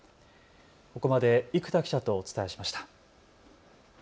ここまで生田記者とお伝えしました。